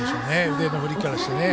腕の振りからしてね。